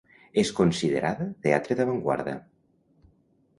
És considerada teatre d'avantguarda.